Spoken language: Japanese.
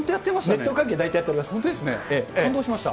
熱湯関係、大体やっておりま感動しました。